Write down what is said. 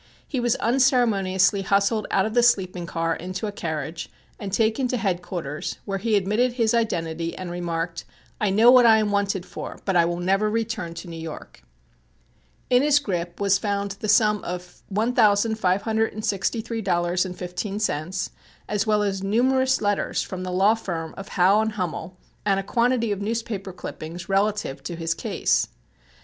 He was unceremoniously hustled out of the sleeping car into a carriage and taken to Head quarters where he admitted his identity and remarked: "I know what I am wanted for, but I will never return to New York." In his grip was found the sum of $1,563.15 as well as numerous letters from the law firm of Howe and Hummel and a quantity of newspaper clippings relative to his case.